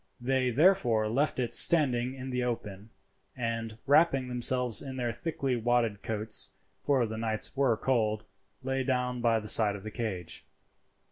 They therefore left it standing in the open, and, wrapping themselves in their thickly wadded coats, for the nights were cold, lay down by the side of the cage.